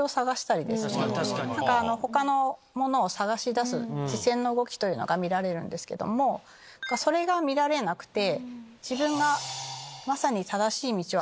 他のものを探し出す視線の動きが見られるんですけどもそれが見られなくて。